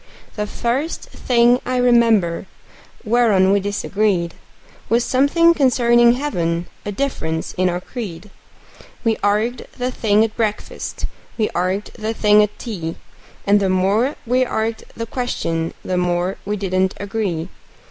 The first thing I remember whereon we disagreed Was something concerning heaven a difference in our creed; We arg'ed the thing at breakfast, we arg'ed the thing at tea, And the more we arg'ed the question the more we didn't agree.